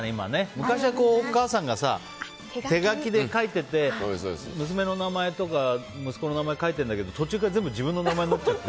昔はお母さんが手書きで書いてて娘の名前とか息子の名前を書いているんだけど途中から全部自分の名前になっちゃって。